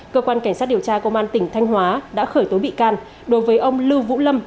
cơ quan cảnh sát điều tra công an tỉnh thanh hóa đã khởi tố bị can đối với ông lưu vũ lâm